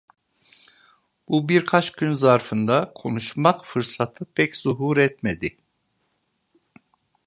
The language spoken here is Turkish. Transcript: Bu birkaç gün zarfında konuşmak fırsatı pek zuhur etmedi.